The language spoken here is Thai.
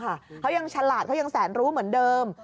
เขายังไม่หลงค่ะเขายังฉลาดเขายังแสนรู้เหมือนเดิม